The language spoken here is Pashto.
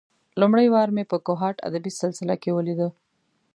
لومړۍ وار مې په کوهاټ ادبي سلسله کې ولېده.